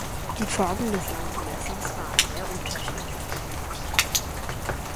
Die Formen des langen Messers waren sehr unterschiedlich.